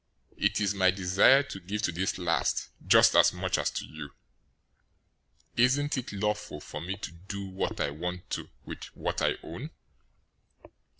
It is my desire to give to this last just as much as to you. 020:015 Isn't it lawful for me to do what I want to with what I own?